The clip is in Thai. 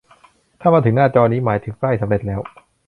ถ้ามาถึงหน้าจอนี้ หมายถึงใกล้สำเร็จแล้ว